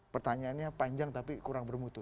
pertanyaannya panjang tapi kurang bermutu